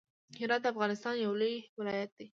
هرات د افغانستان يو لوی ولايت دی.